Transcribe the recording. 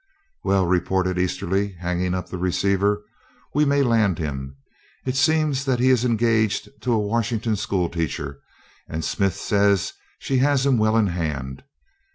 "Well," reported Easterly, hanging up the receiver, "we may land him. It seems that he is engaged to a Washington school teacher, and Smith says she has him well in hand.